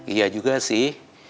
iya juga sih